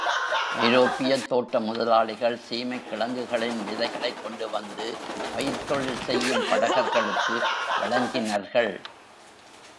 ஐரோப்பியத் தோட்ட முதலாளிகள் சீமைக் கிழங்குகளின் விதைகளைக் கொண்டுவந்து பயிர்த்தொழில் செய்யும் படகர்களுக்கு வழங்கினர்கள்.